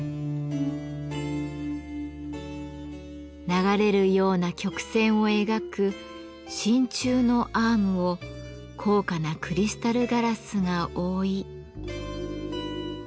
流れるような曲線を描く真鍮のアームを高価なクリスタルガラスが覆い。